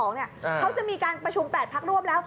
เขาจะมีการประชุม๘พักร่วมแล้ว